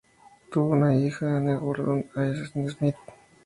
Tuvo una hija, Anne Gordon Haynes-Smith.